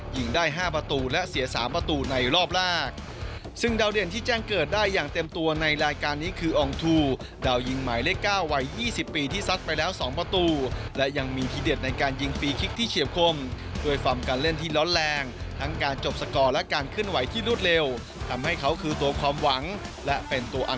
ยิงได้ห้าประตูและเสียสามประตูในรอบแรกซึ่งดาวเด่นที่แจ้งเกิดได้อย่างเต็มตัวในรายการนี้คืออองทูดาวยิงหมายเลขเก้าวัย๒๐ปีที่ซัดไปแล้วสองประตูและยังมีทีเด็ดในการยิงฟรีคลิกที่เฉียบคมด้วยฟอร์มการเล่นที่ร้อนแรงทั้งการจบสกอร์และการเคลื่อนไหวที่รวดเร็วทำให้เขาคือตัวความหวังและเป็นตัวอัน